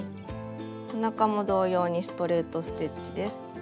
おなかも同様にストレート・ステッチです。